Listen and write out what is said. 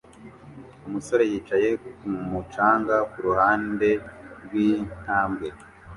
Umusore yicaye kumu canga kuruhande rwintambwe